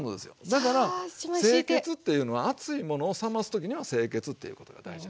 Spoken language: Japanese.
だから清潔っていうのは熱いものを冷ます時には清潔っていうことが大事なんです。